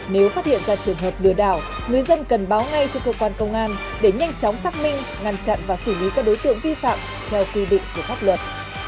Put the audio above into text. nếu phát hiện ra trường hợp lừa đảo người dân cần báo ngay cho cơ quan công an để nhanh chóng xác minh ngăn chặn và xử lý các đối tượng vi phạm theo quy định của pháp luật